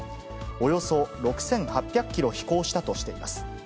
およそ６８００キロ飛行したとしています。